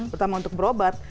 pertama untuk berobat